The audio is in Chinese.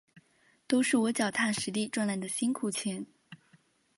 都是我脚踏实地赚来的辛苦钱